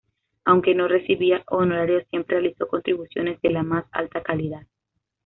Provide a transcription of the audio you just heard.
Aunque no recibía honorarios siempre realizó contribuciones de la más alta calidad.